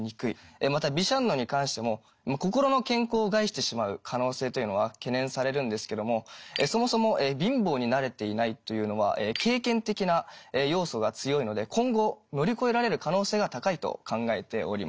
またビシャンノに関しても心の健康を害してしまう可能性というのは懸念されるんですけどもそもそも貧乏に慣れていないというのは経験的な要素が強いので今後乗り越えられる可能性が高いと考えております。